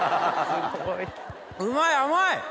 うまい甘い！